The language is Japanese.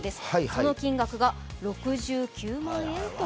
その金額が６９万円と。